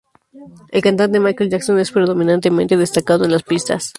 El cantante Michael Jackson es predominantemente destacado en las pistas.